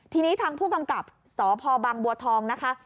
ทีนี้ทางผู้กำกับสพบางบัวทองนะคะ